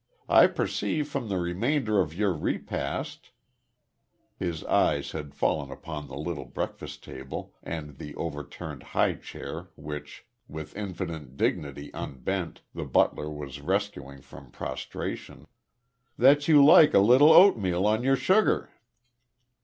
I perceive from the remainder of your repast" his eyes had fallen upon the little breakfast table and the over turned high chair which, with infinite dignity unbent, the butler was rescuing from prostration "that you like a little oatmeal on your sugar."